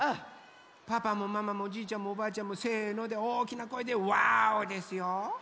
パパもママもおじいちゃんもおばあちゃんも「せの」でおおきなこえで「わお！」ですよ！